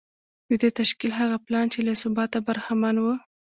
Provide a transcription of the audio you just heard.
د دې تشکیل هغه پلان چې له ثباته برخمن و